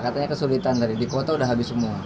katanya kesulitan tadi di kota udah habis semua